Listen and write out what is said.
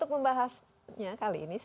ekspedisi indonesia prima